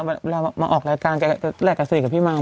พี่ศัลนี่มาออกรายการและกับสดิกับพี่มาม